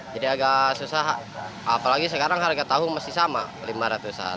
jadi agak susah apalagi sekarang harga tahu masih sama rp lima ratus